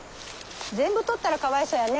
全部採ったらかわいそうやね。